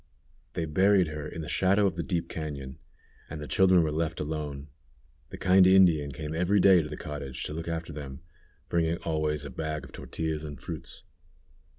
They buried her in the shadow of the deep cañon, and the children were left alone. The kind Indian came every day to the cottage to look after them, bringing always a bag of tortillas and fruits.